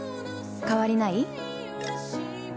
変わりない？